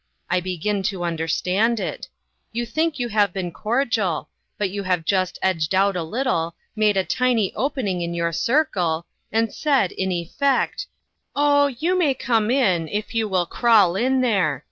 I begin to understand it. You think you have been cordial ; but you have just edged out a little, made a tiny opening in your circle, and said in effect :' Oh, you OUTSIDE THE CIRCLE. 1 33 may come in, if you will crawl in there